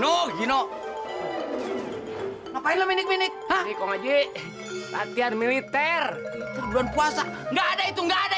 no gino ngapain lo minik minik ah ngaji latihan militer beluan puasa enggak ada itu enggak ada